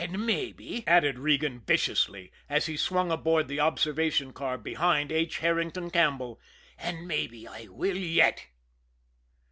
And mabbe," added Regan viciously, as he swung aboard the observation car behind H. Herrington Campbell, "and mabbe I will yet!"